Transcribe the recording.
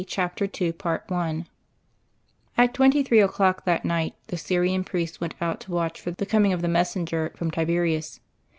CHAPTER II I At twenty three o'clock that night the Syrian priest went out to watch for the coming of the messenger from Tiberias.